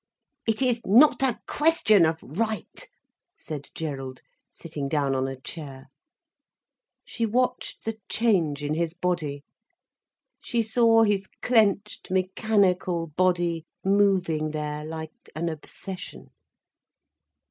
"It is not a question of right," said Gerald, sitting down on a chair. She watched the change in his body. She saw his clenched, mechanical body moving there like an obsession.